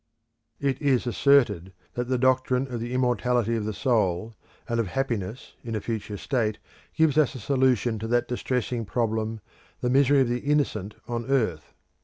It is asserted that the doctrine of the immortality of the soul, and of happiness in a future state, gives us a solution of that distressing problem, the misery of the innocent on earth.